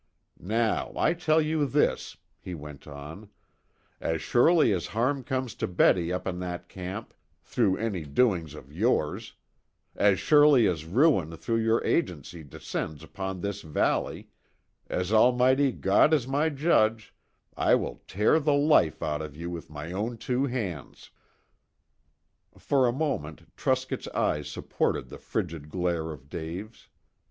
"Now, I tell you this," he went on, "as surely as harm comes to Betty up in that camp, through any doings of yours, as surely as ruin through your agency descends upon this valley, as Almighty God is my Judge I will tear the life out of you with my own two hands." For a moment Truscott's eyes supported the frigid glare of Dave's.